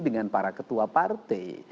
dengan para ketua partai